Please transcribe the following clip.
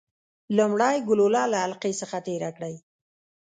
لومړی ګلوله له حلقې څخه تیره کړئ.